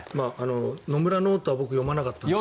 野村ノートは僕読まなかったんですが。